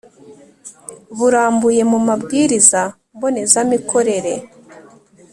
burambuye mu mabwiriza mbonezamikorere